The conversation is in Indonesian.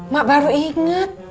mak baru inget